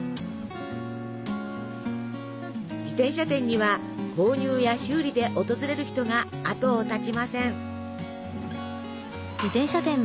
自転車店には購入や修理で訪れる人があとを絶ちません。